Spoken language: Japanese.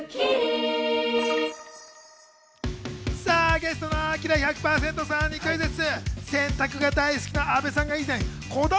ゲストのアキラ１００％さんにクイズッス！